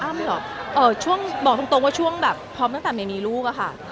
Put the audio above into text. ช่วงบอกตรงว่าช่วงแบบพร้อมตั้งแต่ไม่มีลูกอะค่ะ